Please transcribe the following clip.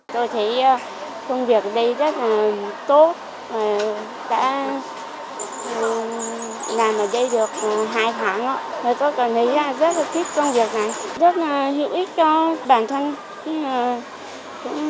tôi thấy công việc ở đây rất là tốt đã làm ở đây được hai tháng rồi tôi cảm thấy rất là thích công việc này